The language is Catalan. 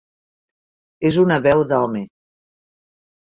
És una veu d'home.